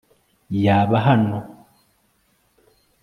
yaba hano